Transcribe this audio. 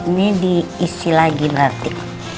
ini diisi lagi berarti